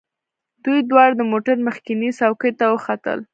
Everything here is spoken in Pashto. دوی دواړه د موټر مخکینۍ څوکۍ ته وختل